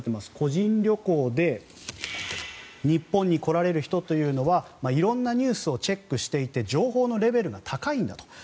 個人旅行で日本に来られる人というのは色んなニュースをチェックしていて情報のレベルが高いんだと。